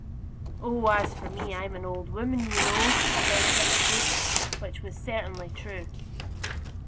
"Oh, as for me, I'm an old woman, you know," said Miss Spruce, which was certainly true.